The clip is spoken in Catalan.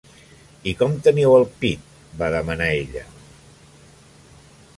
"I com teniu el pit?", va demanar ella.